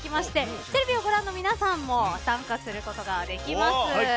フジテレビをご覧の皆さんも参加することができます。